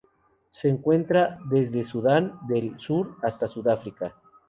Se encuentra desde Sudán del Sur hasta Sudáfrica.